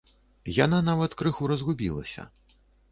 Яна нават крыху разгубілася.